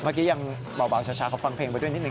เมื่อกี้ยังเบาชาเขาฟังเพลงไปด้วยนิดน